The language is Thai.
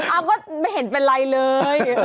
อาร์มก็ไม่เห็นเป็นไหร่เลย